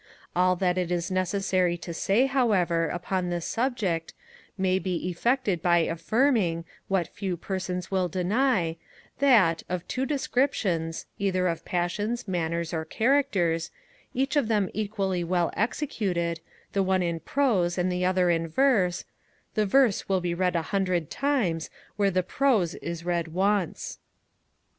All that it is necessary to say, however, upon this subject, may he effected by affirming, what few persons will deny, that, of two descriptions, either of passions, manners, or characters, each of them equally well executed, the one in prose and the other in verse, the verse will be read a hundred times where the prose is read once.